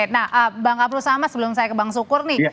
nah bang abdul sama sebelum saya ke bang sukur nih